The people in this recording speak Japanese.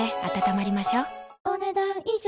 お、ねだん以上。